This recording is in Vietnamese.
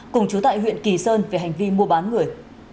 cùng chú tại huyện kỳ sơn về hành vi mua bán người